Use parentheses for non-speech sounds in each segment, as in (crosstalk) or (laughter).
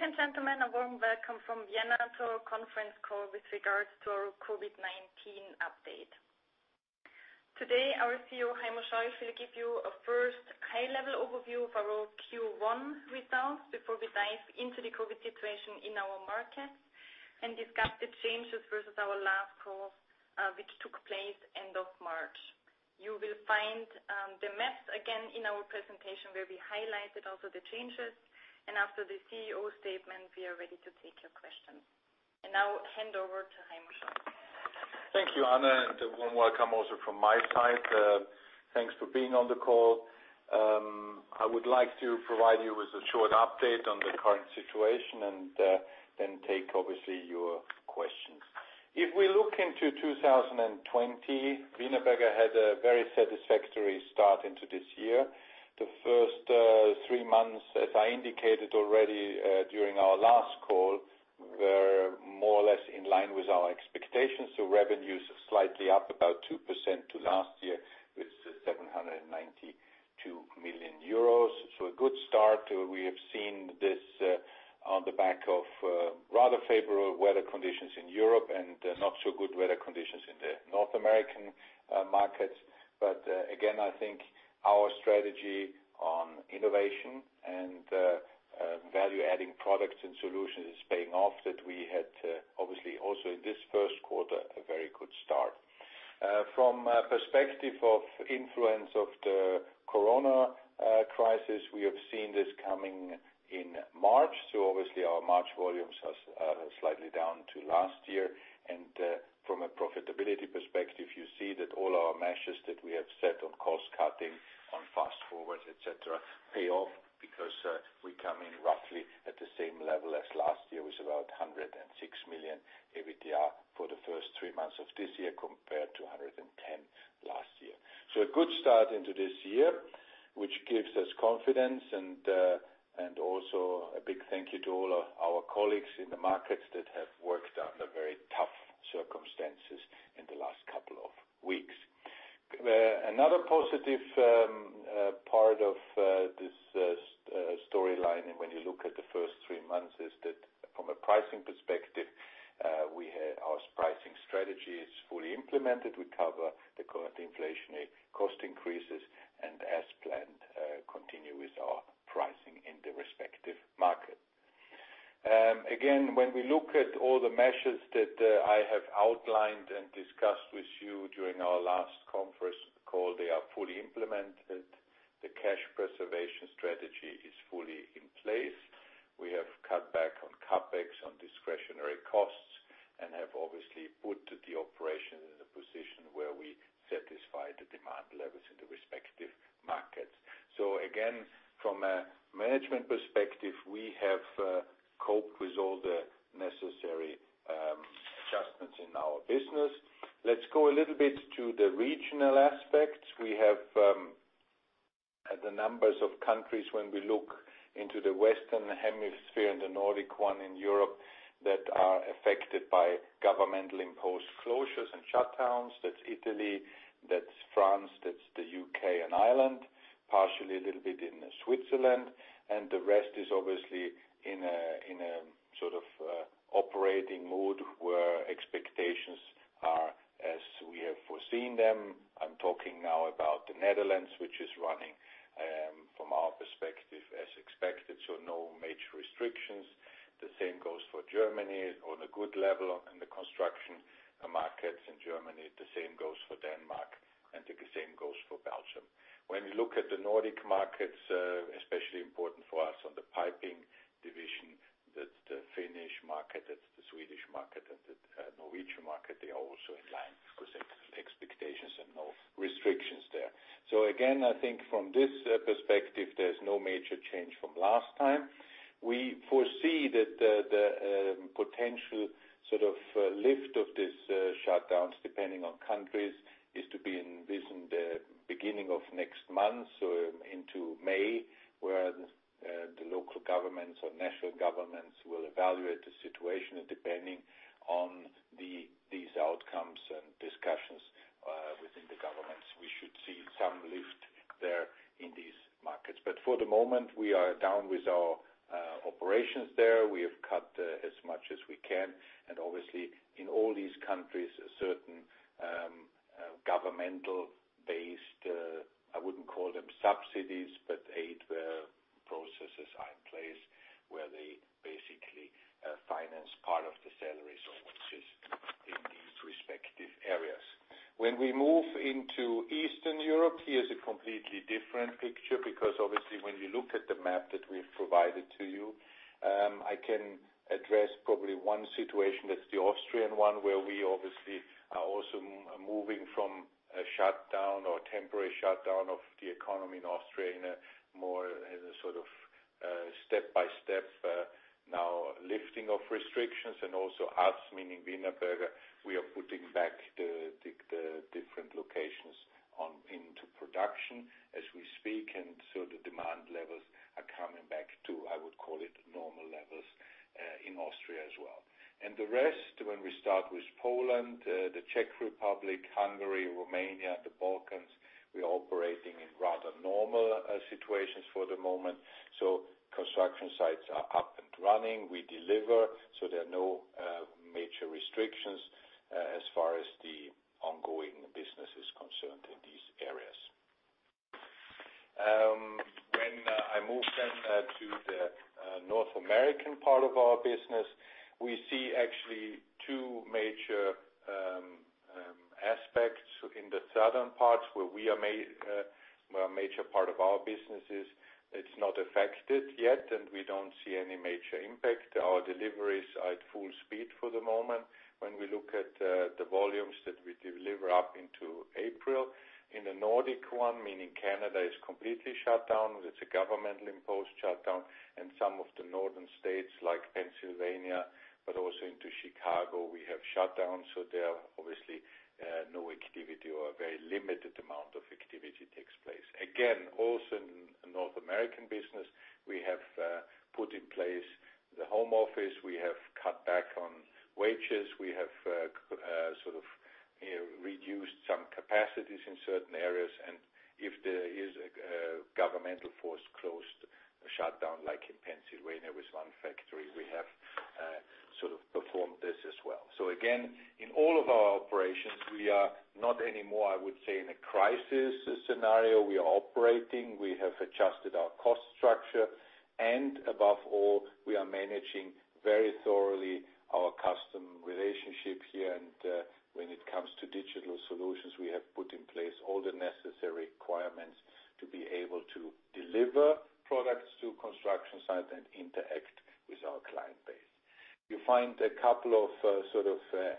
Ladies and gentlemen, a warm welcome from Vienna to our conference call with regards to our COVID-19 update. Today, our Chief Executive Officer, Heimo Scheuch, will give you a first high-level overview of our Q1 results before we dive into the COVID situation in our markets and discuss the changes versus our last call, which took place end of March. You will find the maps again in our presentation, where we highlighted also the changes. After the CEO statement, we are ready to take your questions. I now hand over to Heimo Scheuch. Thank you, Anna, and a warm welcome also from my side. Thanks for being on the call. I would like to provide you with a short update on the current situation and then take, obviously, your questions. If we look into 2020, Wienerberger had a very satisfactory start into this year. The first three months, as I indicated already during our last call, were more or less in line with our expectations. Revenues are slightly up about 2% to last year, with 792 million euros. A good start. We have seen this on the back of rather favorable weather conditions in Europe and not so good weather conditions in the North American markets. Again, I think our strategy on innovation and value-adding products and solutions is paying off, that we had, obviously, also in this first quarter, a very good start. From a perspective of influence of the corona crisis, we have seen this coming in March. Obviously, our March volumes are slightly down to last year. From a profitability perspective, you see that all our measures that we have set on cost-cutting, on Fast Forward, et cetera, pay off because we come in roughly at the same level as last year, with about 106 million EBITDA for the first three months of this year, compared to 110 million last year. A good start into this year, which gives us confidence, and also a big thank you to all of our colleagues in the markets that have worked under very tough circumstances in the last couple of weeks. Another positive part of this storyline, when you look at the first three months, is that from a pricing perspective, our pricing strategy is fully implemented. We cover the current inflation cost increases and, as planned, continue with our pricing in the respective market. When we look at all the measures that I have outlined and discussed with you during our last conference call, they are fully implemented. The cash preservation strategy is fully in place. We have cut back on CapEx, on discretionary costs, and have obviously put the operation in a position where we satisfy the demand levels in the respective markets. From a management perspective, we have coped with all the necessary adjustments in our business. Let's go a little bit to the regional aspects. We have the numbers of countries when we look into the Western Hemisphere and the Nordic-1 in Europe that are affected by governmental imposed closures and shutdowns. That's Italy, that's France, that's the U.K. and Ireland, partially a little bit in Switzerland, and the rest is obviously in a sort of operating mode where expectations are as we have foreseen them. I'm talking now about the Netherlands, which is running, from our perspective, as expected. No major restrictions. The same goes for Germany. On a good level in the construction markets in Germany. The same goes for Denmark, and the same goes for Belgium. When you look at the Nordic markets, especially important for us on the piping division, that's the Finnish market, that's the Swedish market, and the Norwegian market. They are also in line with expectations and no restrictions there. Again, I think from this perspective, there's no major change from last time. We foresee that the potential lift of these shutdowns, depending on countries, is to be in the beginning of next month, so into May, where the local governments or national governments will evaluate the situation, and depending on these outcomes and discussions within the governments, we should see some lift there in these markets. For the moment, we are down with our operations there. We have cut as much as we can and obviously in all these countries, a certain governmental based, I wouldn't call them subsidies, but aid processes are in place where they basically finance part of the salaries of workers in these respective areas. When we move into Eastern Europe, here's a completely different picture because obviously when you look at the map that we've provided to you, I can address probably one situation. That's the Austrian one, where we obviously are also moving from a shutdown or temporary shutdown of the economy in Austria in a more step-by-step now lifting of restrictions. Also us, meaning Wienerberger, we are putting back the different locations into production as we speak. The demand levels are coming back to, I would call it, normal levels in Austria as well. The rest, when we start with Poland, the Czech Republic, Hungary, Romania, the Balkans, we are operating in rather normal situations for the moment. Construction sites are up and running. We deliver, so there are no major restrictions as far as the ongoing business is concerned in these areas. When I move to the North American part of our business, we see actually two major aspects in the southern parts where a major part of our business is. It's not affected yet, and we don't see any major impact. Our deliveries are at full speed for the moment when we look at the volumes that we deliver up into April. In the Nordic-1, meaning Canada is completely shut down, it's a governmental imposed shutdown, and some of the northern states like Pennsylvania, but also into Chicago, we have shut down. There are obviously no activity or a very limited amount of activity takes place. Again, also in North American business, we have put in place the home office. We have cut back on wages. We have reduced some capacities in certain areas. If there is a governmental force closed shutdown, like in Pennsylvania with one factory, we have performed this as well. Again, in all of our operations, we are not anymore, I would say, in a crisis scenario. We are operating. We have adjusted our cost structure and above all, we are managing very thoroughly our customer relationship here. When it comes to digital solutions, we have put in place all the necessary requirements to be able to deliver products to construction sites and interact with our client base. You find a couple of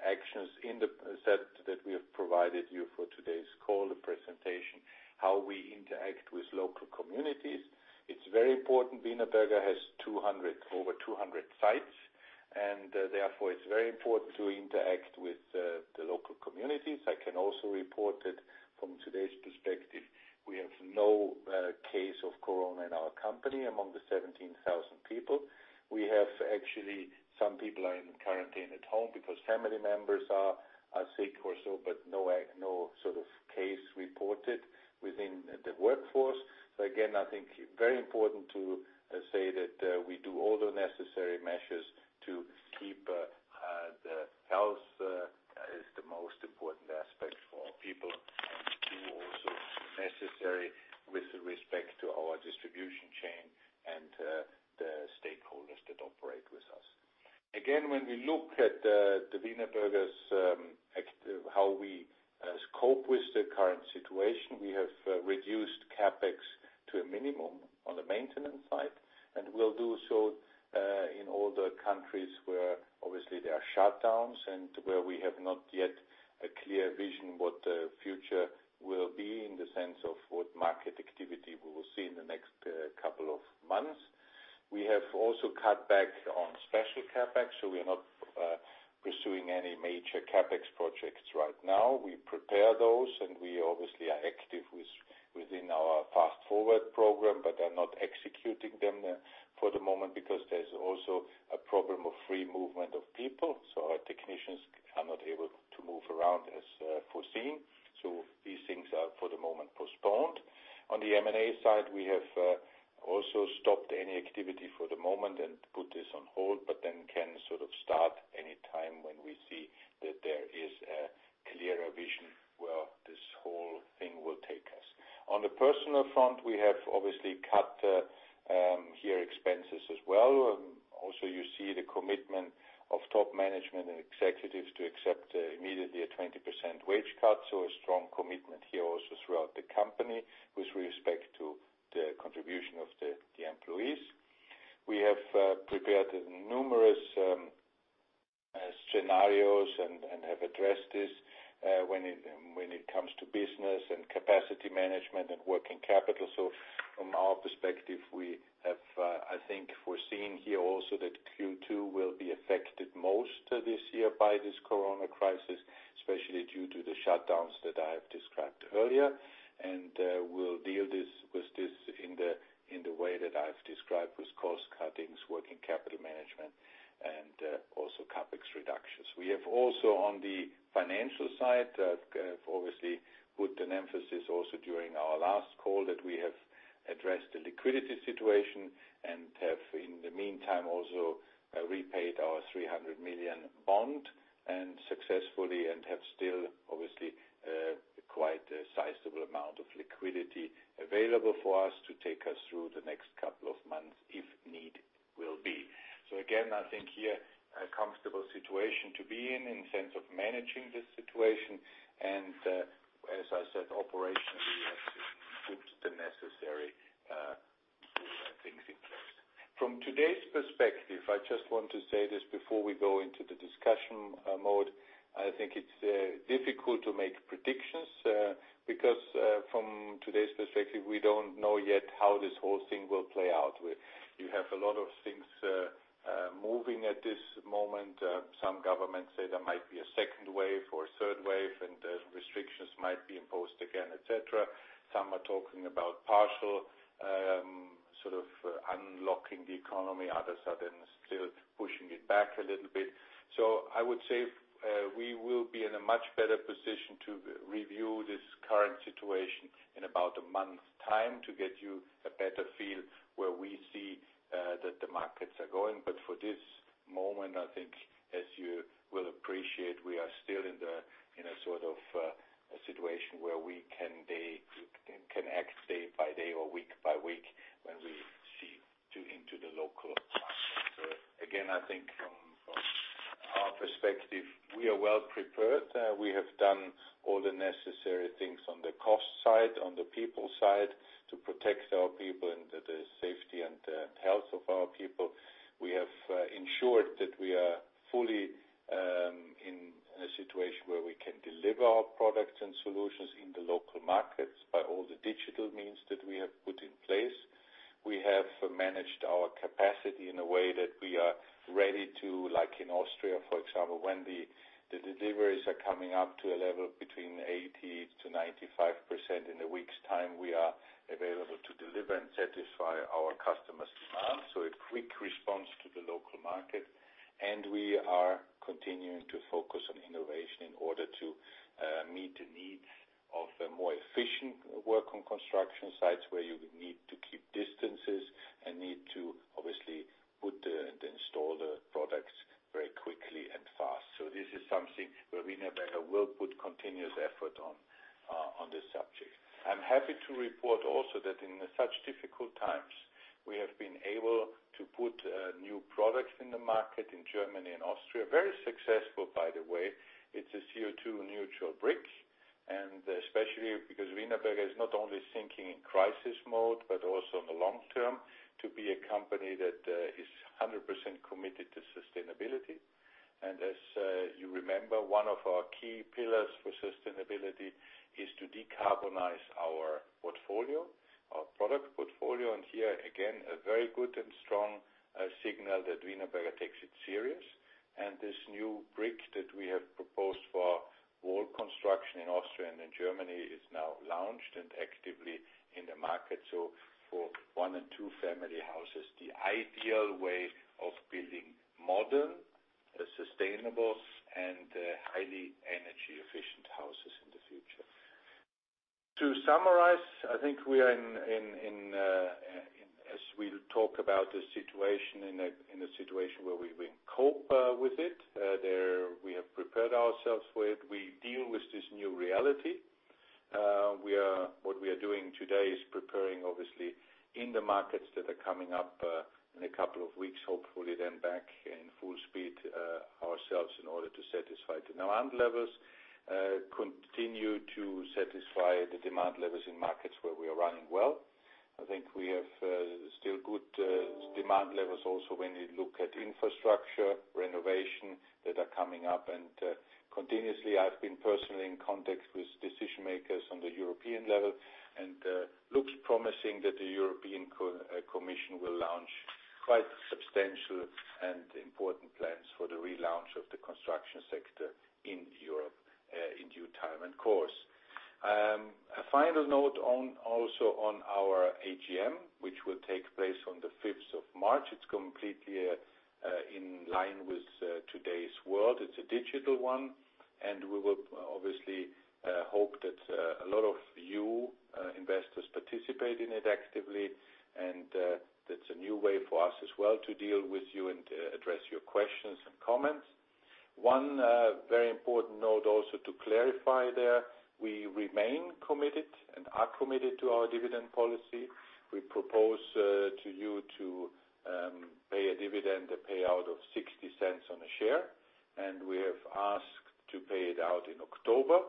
actions in the set that we have provided you for today's call, the presentation, how we interact with local communities. It's very important. Wienerberger has over 200 sites, and therefore it's very important to interact with the local communities. I can also report that from today's perspective, we have no case of corona in our company among the 17,000 people. We have actually some people are in quarantine at home because family members are sick or so, but no case reported within the workforce. Again, I think very important to say that we do all the necessary measures to keep the health is the most important aspect for our people and to also necessary with respect to our distribution chain and the stakeholders that operate with us. Again, when we look at the Wienerberger's how we cope with the current situation, we have reduced CapEx to a minimum on the maintenance side, and we'll do so in all the countries where obviously there are shutdowns and where we have not yet a clear vision what the future will be in the sense of what market activity we will see in the next couple of months. We have also cut back on special CapEx, so we are not pursuing any major CapEx projects right now. We prepare those, and we obviously are active within our Fast Forward program, but are not executing them for the moment because there's also a problem of free movement of people. Our technicians are not able to move around as foreseen. These things are, for the moment, postponed. On the M&A side, we have also stopped any activity for the moment and put this on hold, but then can start any time when we see that there is a clearer vision where this whole thing will take us. On the personal front, we have obviously cut here expenses as well. Also, you see the commitment of top management and executives to accept immediately a 20% wage cut. A strong commitment here also throughout the company with respect to the contribution of the employees. We have prepared numerous scenarios and have addressed this when it comes to business and capacity management and working capital. From our perspective, we have I think foreseeing here also that Q2 will be affected most this year by this corona crisis, especially due to the shutdowns that I have described earlier. We'll deal with this in the way that I've described with cost cuttings, working capital management, and also CapEx reductions. We have also on the financial side, I've obviously put an emphasis also during our last call that we have addressed the liquidity situation and have, in the meantime, also repaid our 300 million bond and successfully and have still obviously quite a sizable amount of liquidity available for us to take us through the next couple of months if need will be. Again, I think here a comfortable situation to be in sense of managing this situation. As I said, operationally, we have to put the necessary things in place. From today's perspective, I just want to say this before we go into the discussion mode. I think it's difficult to make predictions, because from today's perspective, we don't know yet how this whole thing will play out. You have a lot of things moving at the moment, some governments say there might be a second wave or a third wave, and restrictions might be imposed again, et cetera. Some are talking about partial unlocking the economy. Others are then still pushing it back a little bit. I would say we will be in a much better position to review this current situation in about a month's time to get you a better feel where we see that the markets are going. For this moment, I think as you will appreciate, we are still in a situation where we can act day by day or week by week when we see into the local markets. I think from our perspective, we are well prepared. We have done all the necessary things on the cost side, on the people side, to protect our people and the safety and health of our people. We have ensured that we are fully in a situation where we can deliver our products and solutions in the local markets by all the digital means that we have put in place. We have managed our capacity in a way that we are ready to, like in Austria, for example, when the deliveries are coming up to a level between 80%-95% in a week's time, we are available to deliver and satisfy our customers' demands. A quick response to the local market. We are continuing to focus on innovation in order to meet the needs of a more efficient work on construction sites, where you need to keep distances and need to obviously put and install the products very quickly and fast. This is something where Wienerberger will put continuous effort on this subject. I'm happy to report also that in such difficult times, we have been able to put new products in the market in Germany and Austria. Very successful, by the way. It's a CO2-neutral brick, especially because Wienerberger is not only thinking in crisis mode, but also in the long term, to be a company that is 100% committed to sustainability. As you remember, one of our key pillars for sustainability is to decarbonize our portfolio, our product portfolio. Here again, a very good and strong signal that Wienerberger takes it serious. This new brick that we have proposed for wall construction in Austria and in Germany is now launched and actively in the market. For one and two family houses, the ideal way of building modern, sustainable, and highly energy-efficient houses in the future. To summarize, I think as we talk about the situation, in a situation where we cope with it, we have prepared ourselves for it. We deal with this new reality. What we are doing today is preparing, obviously, in the markets that are coming up in a couple of weeks, hopefully then back in full speed ourselves in order to satisfy the demand levels, continue to satisfy the demand levels in markets where we are running well. I think we have still good demand levels also when you look at infrastructure, renovation, that are coming up. Continuously, I've been personally in contact with decision-makers on the European level and looks promising that the European Commission will launch quite substantial and important plans for the relaunch of the construction sector in Europe in due time and course. A final note also on our AGM, which will take place on the 5th of March. It's completely in line with today's world. It's a digital one, and we will obviously hope that a lot of you investors participate in it actively. That's a new way for us as well to deal with you and address your questions and comments. One very important note also to clarify there, we remain committed and are committed to our dividend policy. We propose to you to pay a dividend, a payout of 0.60 on a share. We have asked to pay it out in October.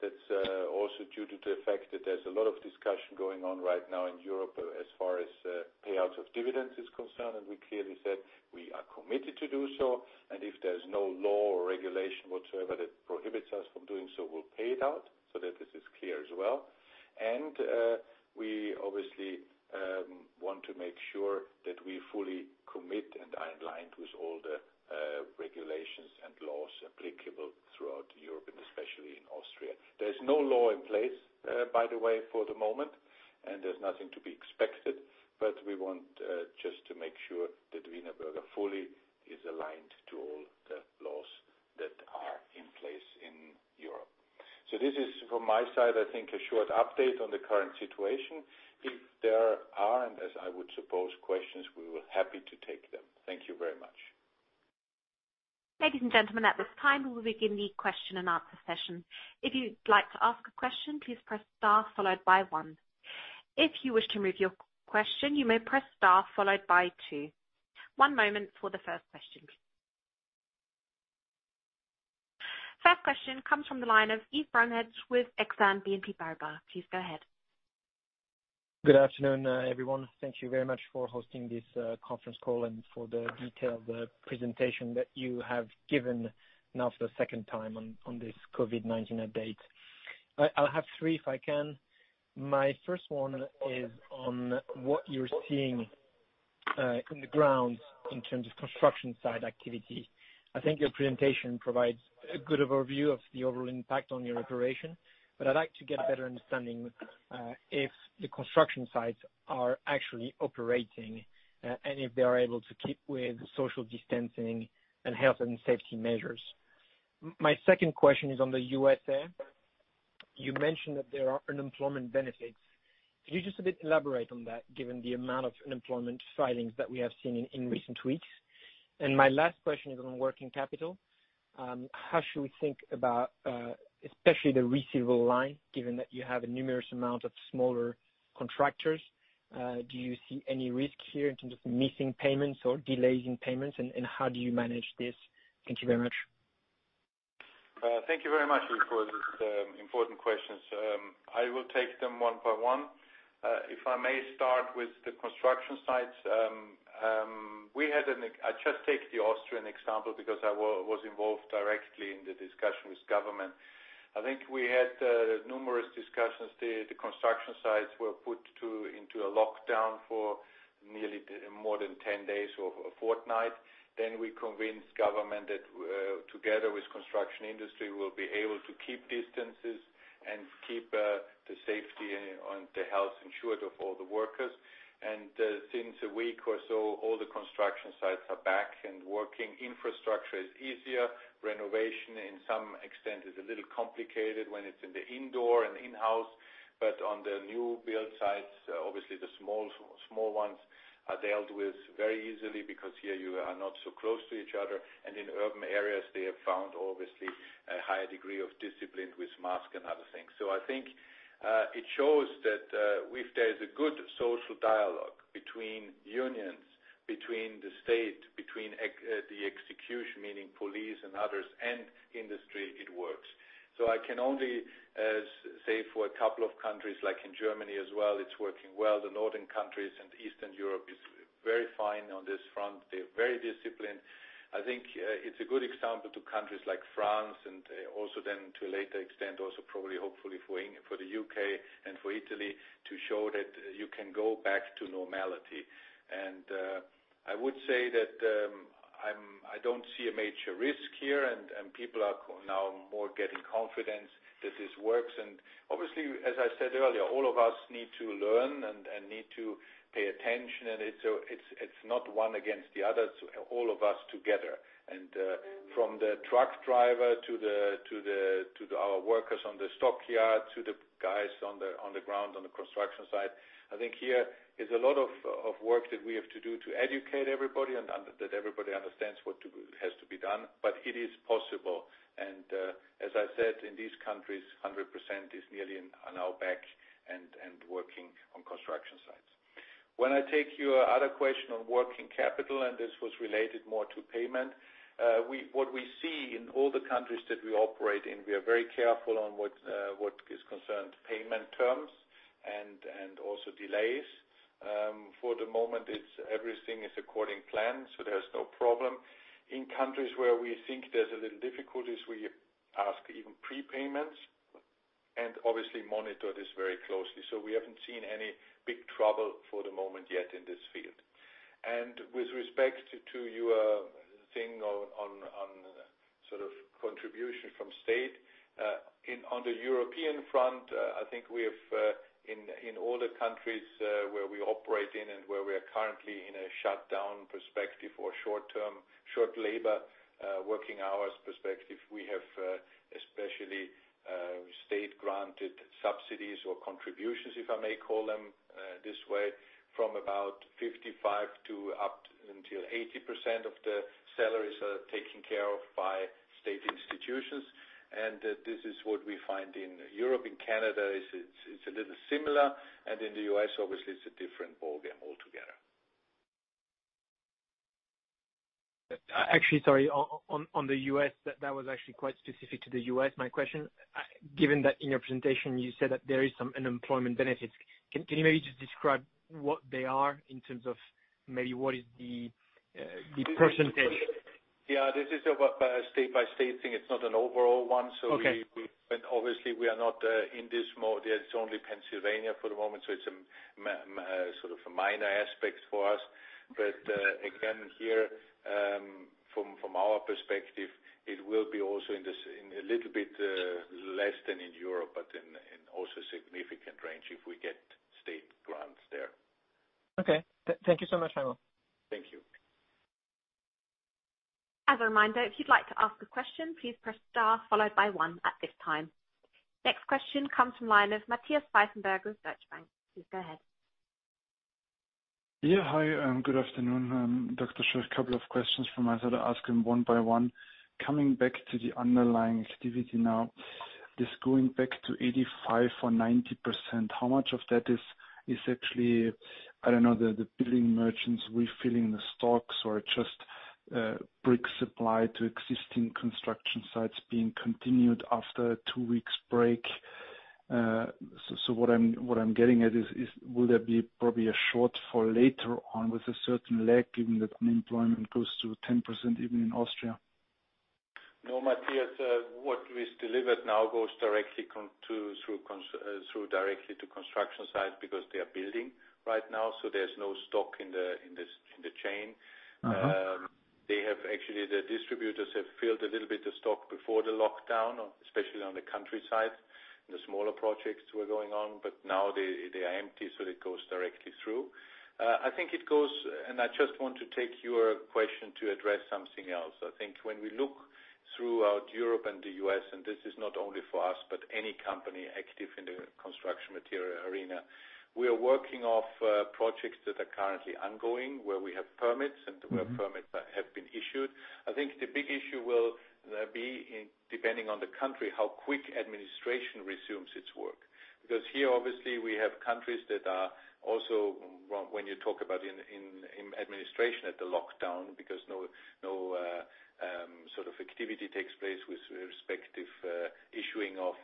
That's also due to the fact that there's a lot of discussion going on right now in Europe as far as payouts of dividends is concerned. We clearly said we are committed to do so. If there's no law or regulation whatsoever that prohibits us from doing so, we'll pay it out so that this is clear as well. We obviously want to make sure that we fully commit and are aligned with all the regulations and laws applicable throughout Europe and especially in Austria. There's no law in place, by the way, for the moment, and there's nothing to be expected. We want just to make sure that Wienerberger fully is aligned to all the laws that are in place in Europe. This is from my side, I think a short update on the current situation. If there are, and as I would suppose, questions, we will happy to take them. Thank you very much. Ladies and gentlemen, at this time, we will begin the question and answer session. If you'd like to ask a question, please press star followed by one. If you wish to remove your question, you may press star followed by two. One moment for the first question, please. First question comes from the line of Yves Bazin with Exane BNP Paribas. Please go ahead. Good afternoon, everyone. Thank you very much for hosting this conference call and for the detailed presentation that you have given now for the second time on this COVID-19 update. I'll have three if I can. My first one is on what you're seeing on the ground in terms of construction site activity. I think your presentation provides a good overview of the overall impact on your operation, I'd like to get a better understanding if the construction sites are actually operating and if they are able to keep with social distancing and health and safety measures. My second question is on the USA. You mentioned that there are unemployment benefits. Could you just elaborate on that given the amount of unemployment filings that we have seen in recent weeks? My last question is on working capital. How should we think about especially the receivable line, given that you have a numerous amount of smaller contractors? Do you see any risks here in terms of missing payments or delays in payments, and how do you manage this? Thank you very much. Thank you very much for the important questions. I will take them one by one. If I may start with the construction sites. I just take the Austrian example because I was involved directly in the discussion with government. I think we had numerous discussions. The construction sites were put into a lockdown for nearly more than 10 days or a fortnight. We convinced government that together with construction industry, we'll be able to keep distances and keep the safety and the health insured of all the workers. Since a week or so, all the construction sites are back and working. Infrastructure is easier. Renovation in some extent is a little complicated when it's in the indoor and in-house, on the new build sites, obviously the small ones are dealt with very easily because here you are not so close to each other. In urban areas, they have found obviously a higher degree of discipline with mask and other things. I think it shows that if there is a good social dialogue between unions, between the state, between the execution, meaning police and others, and industry, it works. I can only say for a couple of countries, like in Germany as well, it's working well. The Northern countries and Eastern Europe is very fine on this front. They're very disciplined. I think it's a good example to countries like France and also then to a later extent, also probably hopefully for the U.K. and for Italy to show that you can go back to normality. I would say that I don't see a major risk here and people are now more getting confidence that this works. Obviously, as I said earlier, all of us need to learn and need to pay attention and so it's not one against the other. It's all of us together. From the truck driver to our workers on the stockyard to the guys on the ground, on the construction site. I think here is a lot of work that we have to do to educate everybody and that everybody understands what has to be done, but it is possible. As I said, in these countries, 100% is nearly and are now back and working on construction sites. When I take your other question on working capital, and this was related more to payment. What we see in all the countries that we operate in, we are very careful on what is concerned payment terms and also delays. For the moment, everything is according plan, so there's no problem. In countries where we think there's a little difficulties, we ask even prepayments and obviously monitor this very closely. We haven't seen any big trouble for the moment yet in this field. With respect to your thing on contribution from State. On the European front, I think we have in all the countries where we operate in and where we are currently in a shutdown perspective or short labor working hours perspective, we have especially State-granted subsidies or contributions, if I may call them this way, from about 55% to up until 80% of the salaries are taken care of by State institutions, and this is what we find in Europe. In Canada, it's a little similar, and in the U.S., obviously it's a different ballgame altogether. Actually, sorry. On the U.S., that was actually quite specific to the U.S., my question. Given that in your presentation you said that there is some unemployment benefits, can you maybe just describe what they are in terms of maybe what is the percentage? Yeah. This is a state-by-state thing. It's not an overall one. Okay. Obviously we are not in this mode yet. It's only Pennsylvania for the moment, so it's a minor aspect for us. Again, here, from our perspective, it will be also in a little bit less than in Europe, but in also significant range if we get state grants there. Okay. Thank you so much, Heimo. Thank you. As a reminder, if you'd like to ask a question, please press star followed by one at this time. Next question comes from line of Matthias Pfeifenberger, Deutsche Bank. Please go ahead. Yeah. Hi, good afternoon. Dr. Scheuch, couple of questions from my side. I'll ask them one by one. Coming back to the underlying activity now. This going back to 85% or 90%, how much of that is actually, I don't know, the building merchants refilling the stocks or just brick supply to existing construction sites being continued after two weeks break? What I'm getting at is will there be probably a shortfall later on with a certain lag, given that unemployment goes to 10%, even in Austria? No, Matthias, what is delivered now goes directly through construction sites because they are building right now, so there's no stock in the chain. Actually, the distributors have filled a little bit of stock before the lockdown, especially on the countryside, and the smaller projects were going on, but now they are empty, so it goes directly through. I think and I just want to take your question to address something else. I think when we look throughout Europe and the U.S., and this is not only for us, but any company active in the construction material arena. We are working off projects that are currently ongoing, where we have permits. Where permits have been issued. I think the big issue will be depending on the country, how quick administration resumes its work. Here, obviously, we have countries that are also, when you talk about in administration at the lockdown, because no sort of activity takes place with respective issuing of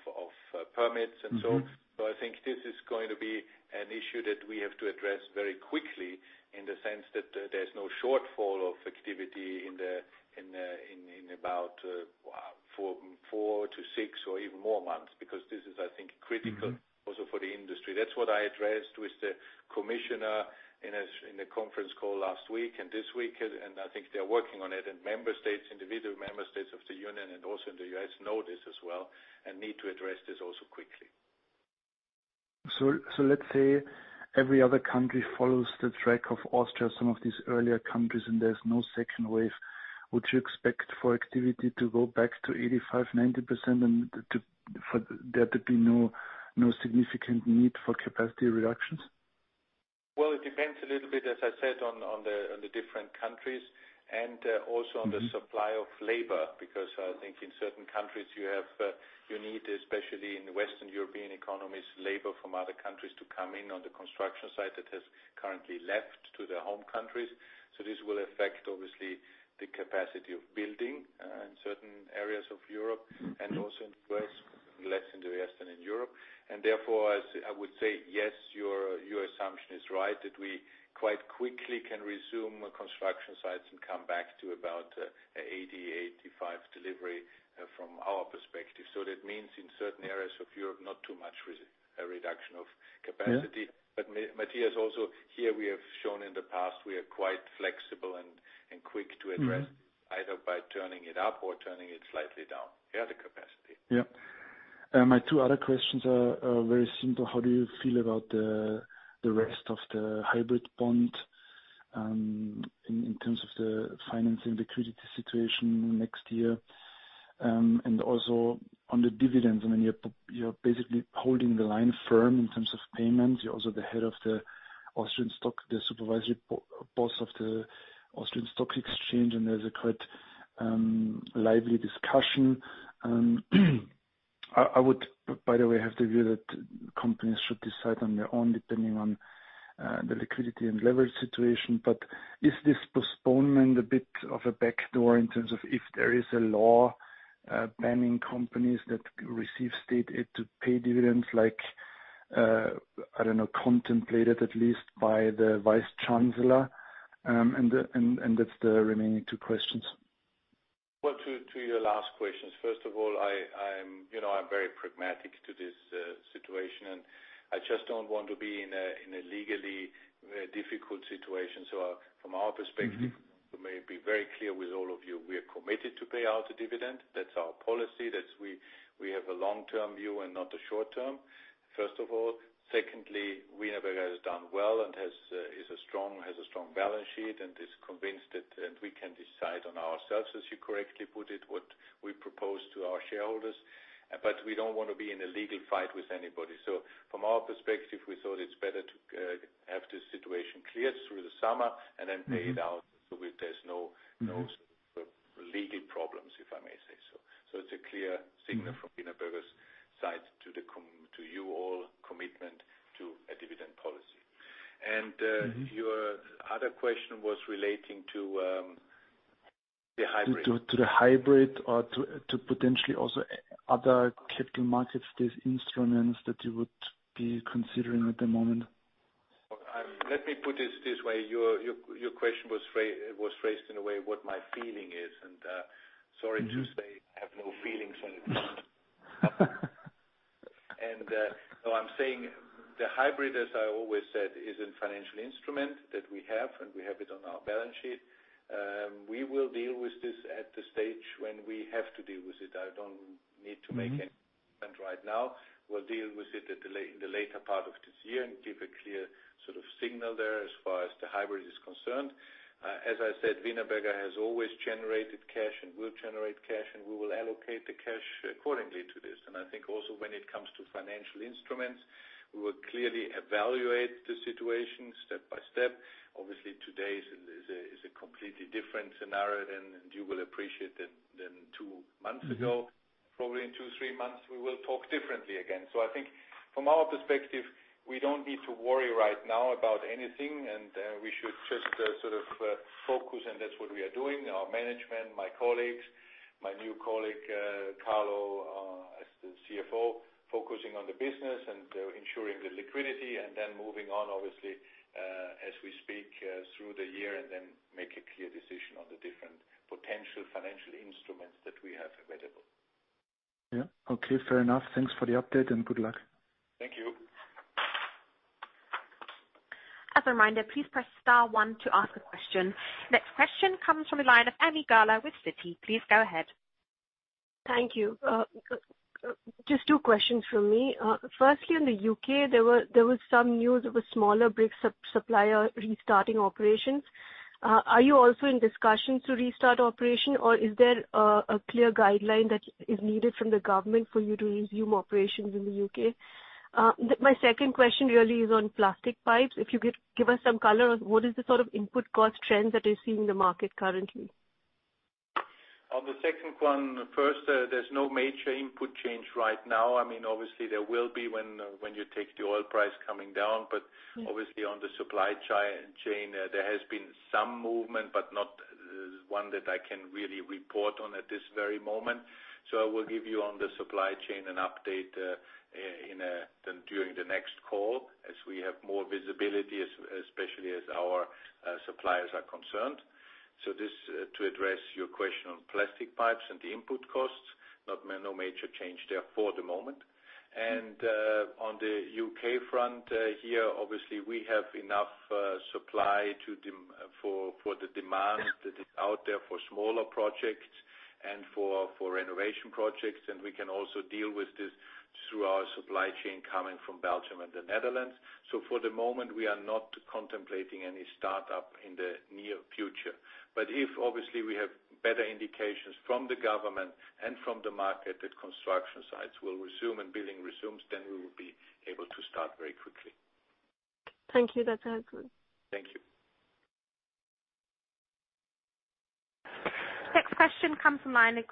permits and so on. I think this is going to be an issue that we have to address very quickly in the sense that there's no shortfall of activity in about four to six or even more months, because this is, I think, critical also for the industry. That's what I addressed with the commissioner in the conference call last week and this week. I think they're working on it. Member states, individual member states of the union, and also in the U.S. know this as well and need to address this also quickly. Let's say every other country follows the track of Austria, some of these earlier countries, and there's no second wave. Would you expect for activity to go back to 85%-90% and for there to be no significant need for capacity reductions? Well, it depends a little bit, as I said, on the different countries and also on the supply of labor. Because I think in certain countries you need, especially in the Western European economies, labor from other countries to come in on the construction site that has currently left to their home countries. This will affect, obviously, the capacity of building in certain areas of Europe and also in the U.S., less in the U.S. than in Europe. Therefore, I would say, yes, your assumption is right, that we quite quickly can resume construction sites and come back to about 80%, 85% delivery from our perspective. That means in certain areas of Europe, not too much reduction of capacity. Yeah. Matthias, also here we have shown in the past we are quite flexible and quick to address, either by turning it up or turning it slightly down. Yeah, the capacity. Yeah. My two other questions are very simple. How do you feel about the rest of the hybrid bond, in terms of the financing liquidity situation next year? Also on the dividends, you're basically holding the line firm in terms of payments. You're also the head of the Austrian stock, the supervisory boss of the Vienna Stock Exchange, there's a quite lively discussion. I would, by the way, have the view that companies should decide on their own depending on the liquidity and leverage situation. Is this postponement a bit of a backdoor in terms of if there is a law banning companies that receive state aid to pay dividends like, I don't know, contemplated at least by the vice chancellor? That's the remaining two questions. Well, to your last questions, first of all, I'm very pragmatic to this situation, and I just don't want to be in a legally difficult situation. From our perspective to maybe very clear with all of you, we are committed to pay out a dividend. That's our policy. We have a long-term view and not a short-term, first of all. Secondly, Wienerberger has done well and has a strong balance sheet and is convinced that we can decide on ourselves, as you correctly put it, what we propose to our shareholders. We don't want to be in a legal fight with anybody. From our perspective, we thought it's better to have this situation cleared through the summer and then pay it out so there's no legal problems, if I may say so. It's a clear signal from Wienerberger's side to you all, commitment to a dividend policy. Your other question was relating to the hybrid. To the hybrid or to potentially also other capital markets, these instruments that you would be considering at the moment. Let me put it this way. Your question was phrased in a way what my feeling is, and sorry to say, I have no feelings on it. I'm saying the hybrid, as I always said, is a financial instrument that we have, and we have it on our balance sheet. We will deal with this at the stage when we have to deal with it. I don't need to make any statement right now. We'll deal with it in the later part of this year and give a clear sort of signal there as far as the hybrid is concerned. As I said, Wienerberger has always generated cash and will generate cash, and we will allocate the cash accordingly to this. I think also when it comes to financial instruments, we will clearly evaluate the situation step by step. Obviously, today is a completely different scenario than, and you will appreciate that, than two months ago. Probably in two, three months, we will talk differently again. From our perspective, we don't need to worry right now about anything, and we should just sort of focus, and that's what we are doing. Our management, my colleagues, my new colleague, Carlo, as the CFO, focusing on the business and ensuring the liquidity and then moving on, obviously, as we speak through the year and then make a clear decision on the different potential financial instruments that we have available. Yeah. Okay, fair enough. Thanks for the update and good luck. Thank you. As a reminder, please press star one to ask a question. Next question comes from the line of Ami Galla with Citigroup. Please go ahead. Thank you. Just two questions from me. Firstly, in the U.K., there was some news of a smaller brick supplier restarting operations. Are you also in discussions to restart operation, or is there a clear guideline that is needed from the government for you to resume operations in the U.K.? My second question really is on plastic pipes. If you could give us some color on what is the sort of input cost trends that you see in the market currently? On the second one, first, there's no major input change right now. Obviously, there will be when you take the oil price coming down. Obviously on the supply chain, there has been some movement, but not one that I can really report on at this very moment. I will give you on the supply chain an update during the next call as we have more visibility, especially as our suppliers are concerned. This to address your question on plastic pipes and the input costs, no major change there for the moment. On the U.K. front here, obviously we have enough supply for the demand that is out there for smaller projects and for renovation projects. We can also deal with this through our supply chain coming from Belgium and the Netherlands. For the moment, we are not contemplating any startup in the near future. If obviously we have better indications from the government and from the market that construction sites will resume and building resumes, then we will be able to start very quickly. Thank you. That's helpful. Thank you. Next question comes from the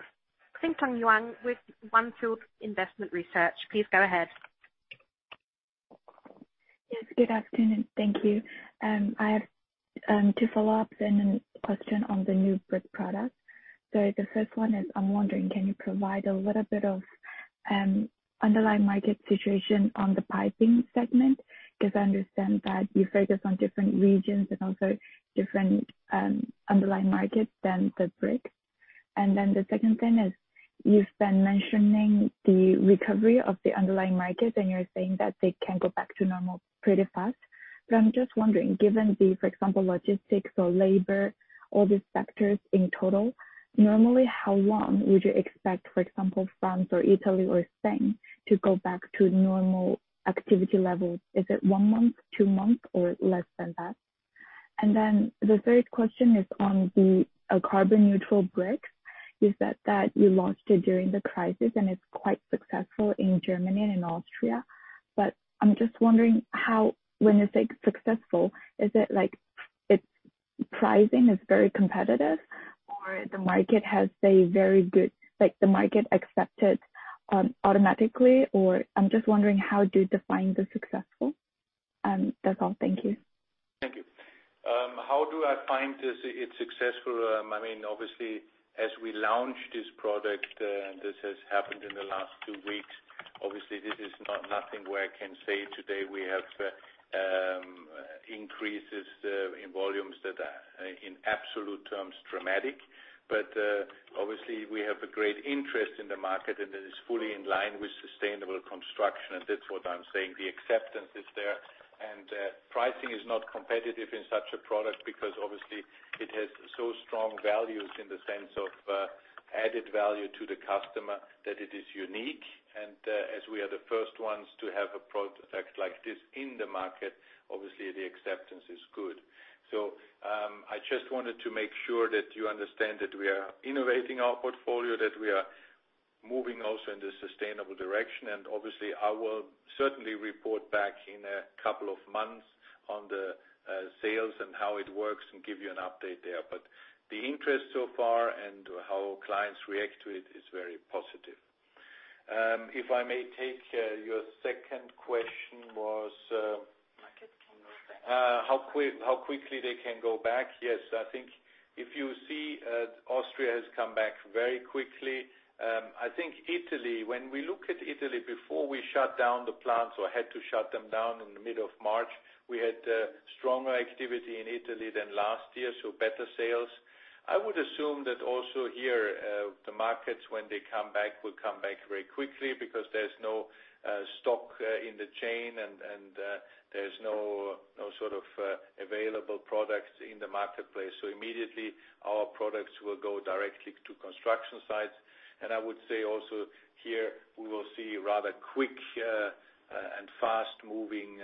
line, Qingtong Huang with On Field Investment Research. Please go ahead. Yes, good afternoon. Thank you. I have two follow-ups and a question on the new brick products. The first one is I'm wondering, can you provide a little bit of underlying market situation on the piping segment? I understand that you focus on different regions and also different underlying markets than the brick. The second thing is, you've been mentioning the recovery of the underlying markets, and you're saying that they can go back to normal pretty fast. I'm just wondering, given the, for example, logistics or labor, all these sectors in total, normally, how long would you expect, for example, France or Italy or Spain to go back to normal activity levels? Is it one month, two months, or less than that? The third question is on the carbon neutral brick. You said that you launched it during the crisis, and it's quite successful in Germany and in Austria. I'm just wondering when you say successful, is it like its pricing is very competitive or the market has stayed very good, like the market accept it automatically or I'm just wondering, how do you define the successful? That's all. Thank you. Thank you. How do I find it successful? As we launch this product, this has happened in the last two weeks. This is nothing where I can say today we have increases in volumes that are in absolute terms dramatic. We have a great interest in the market, and it is fully in line with sustainable construction, and that's what I'm saying. The acceptance is there. Pricing is not competitive in such a product because obviously it has so strong values in the sense of added value to the customer that it is unique. As we are the first ones to have a product like this in the market, obviously the acceptance is good. I just wanted to make sure that you understand that we are innovating our portfolio, that we are moving also in the sustainable direction. Obviously I will certainly report back in a couple of months on the sales and how it works and give you an update there. The interest so far and how clients react to it is very positive. If I may take your second question was. Markets can go back. How quickly they can go back? Yes. I think if you see Austria has come back very quickly. I think Italy, when we look at Italy, before we shut down the plants or had to shut them down in the middle of March, we had stronger activity in Italy than last year, so better sales. I would assume that also here, the markets, when they come back, will come back very quickly because there's no stock in the chain and there's no sort of available products in the marketplace. Immediately our products will go directly to construction sites. I would say also here we will see rather quick and fast-moving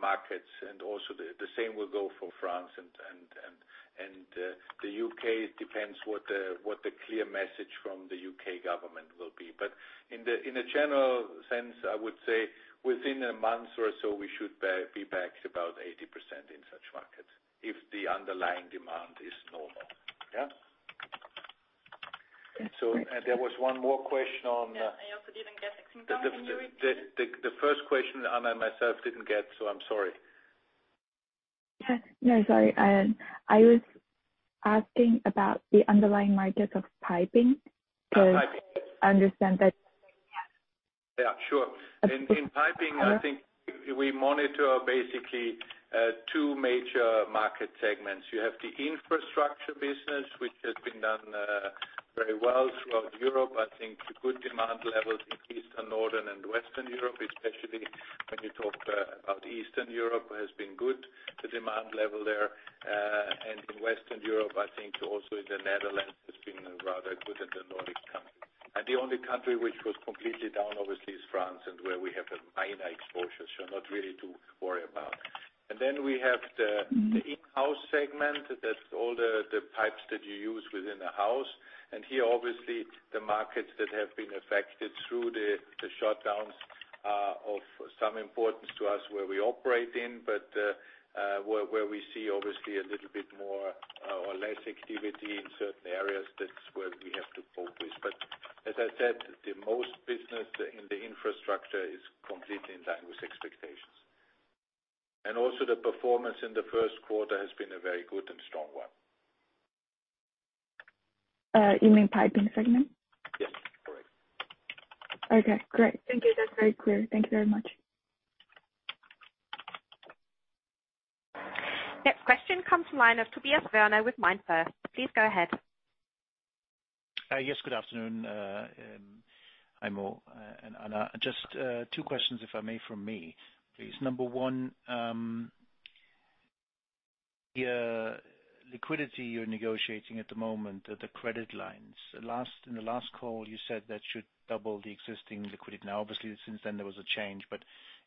markets, and also the same will go for France and the U.K. It depends what the clear message from the U.K. government will be. In a general sense, I would say within a month or so, we should be back to about 80% in such markets if the underlying demand is normal. Yeah. There was one more question on. Yes, I also didn't get it. Qingtong, can you repeat it? The first question, Anna and myself didn't get, so I'm sorry. Yes. No, sorry. I was asking about the underlying markets of piping. Oh, piping. Because I understand that. (crosstalk) Yeah, sure. In piping, I think we monitor basically two major market segments. You have the infrastructure business, which has been done very well throughout Europe. I think the good demand levels in Eastern, Northern, and Western Europe, especially when you talk about Eastern Europe, has been good, the demand level there. In Western Europe, I think also in the Netherlands, it's been rather good in the Nordic countries. The only country which was completely down, obviously, is France, and where we have a minor exposure, so not really to worry about. We have the in-house segment. That's all the pipes that you use within a house. Here, obviously, the markets that have been affected through the shutdowns are of some importance to us where we operate in, but where we see, obviously, a little bit more or less activity in certain areas, that's where we have to cope with. As I said, the most business in the infrastructure is completely in line with expectations. Also the performance in the first quarter has been a very good and strong one. You mean piping segment? Yes, correct. Okay, great. Thank you. That's very clear. Thank you very much. Next question comes from the line of Tobias Woerner with MainFirst. Please go ahead. Yes, good afternoon, Heimo and Anna. Just two questions, if I may, from me, please. Number one, the liquidity you're negotiating at the moment, the credit lines. In the last call, you said that should double the existing liquidity. Obviously, since then, there was a change.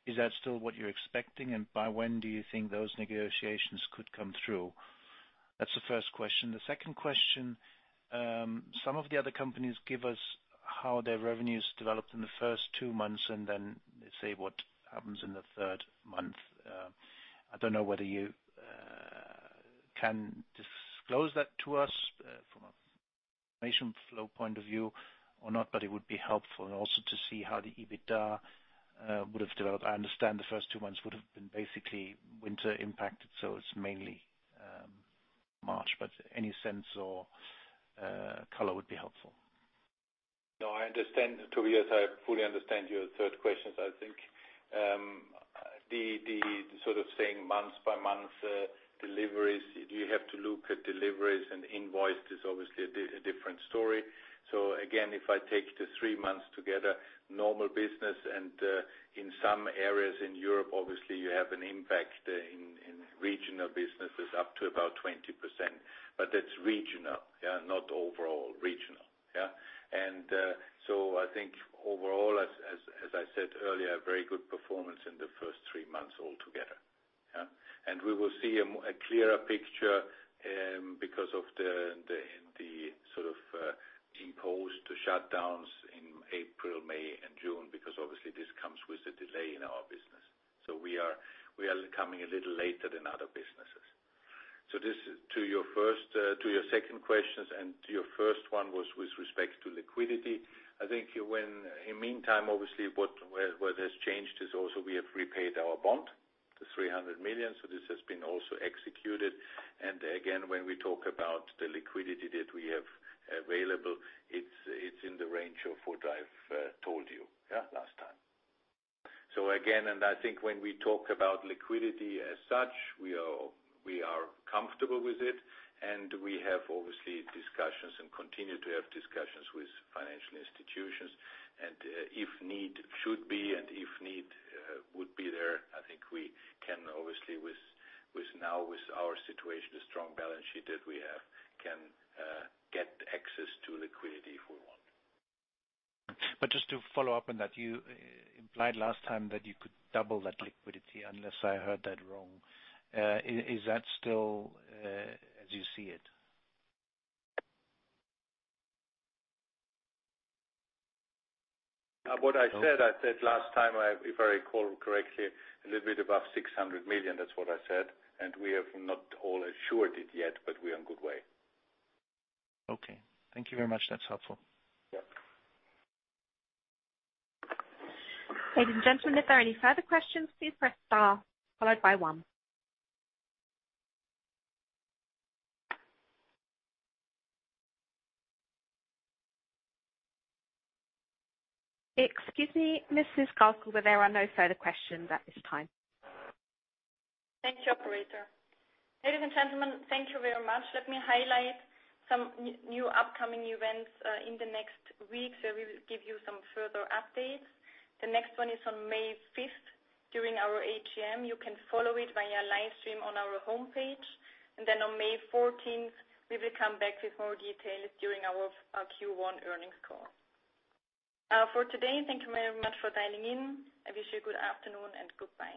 Is that still what you're expecting? By when do you think those negotiations could come through? That's the first question. The second question, some of the other companies give us how their revenues developed in the first two months and then let's say what happens in the third month. I don't know whether you can disclose that to us from a information flow point of view or not, but it would be helpful also to see how the EBITDA would have developed. I understand the first two months would have been basically winter impacted, so it's mainly March, but any sense or color would be helpful. No, I understand, Tobias. I fully understand your third questions. I think the sort of saying month by month deliveries, you have to look at deliveries and invoice is obviously a different story. Again, if I take the three months together, normal business and in some areas in Europe, obviously you have an impact in regional businesses up to about 20%. That's regional. Not overall, regional. I think overall, as I said earlier, a very good performance in the first three months altogether. We will see a clearer picture because of the sort of imposed shutdowns in April, May, and June, because obviously this comes with a delay in our business. We are coming a little later than other businesses. This to your second questions and to your first one was with respect to liquidity. I think in meantime, obviously, what has changed is also we have repaid our bond, the 300 million. This has been also executed. Again, when we talk about the liquidity that we have available, it's in the range of what I've told you last time. Again, I think when we talk about liquidity as such, we are comfortable with it, and we have obviously discussions and continue to have discussions with financial institutions. If need should be and if need would be there, I think we can obviously with now with our situation, the strong balance sheet that we have, can get access to liquidity if we want. Just to follow up on that. You implied last time that you could double that liquidity unless I heard that wrong. Is that still as you see it? What I said, I said last time, if I recall correctly, a little bit above 600 million, that's what I said. We have not all assured it yet, but we are in good way. Okay. Thank you very much. That's helpful. Ladies and gentlemen, if there are any further questions, please press star followed by one. Excuse me, Mrs. Gaskell, but there are no further questions at this time. Thank you, operator. Ladies and gentlemen, thank you very much. Let me highlight some new upcoming events in the next week, so we will give you some further updates. The next one is on May fifth during our AGM. You can follow it via live stream on our homepage. On May 14th, we will come back with more details during our Q1 earnings call. For today, thank you very much for dialing in. I wish you a good afternoon, and goodbye.